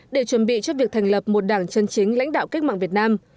để chuẩn bị cho việc thành lập một đảng chân chính lãnh đạo cách mạng việt nam